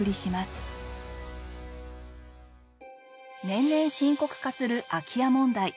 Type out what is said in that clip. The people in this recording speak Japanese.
年々深刻化する空き家問題。